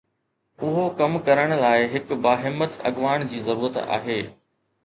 اهو ڪم ڪرڻ لاء هڪ باهمت اڳواڻ جي ضرورت آهي.